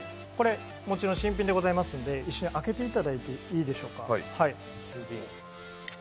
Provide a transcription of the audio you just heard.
もちろん新品でございますので、一緒に開けていただいていいでしょうか。